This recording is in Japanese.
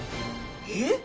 えっ？